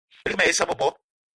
Balig mal ai issa bebo